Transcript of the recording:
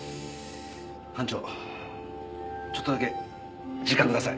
班長ちょっとだけ時間ください。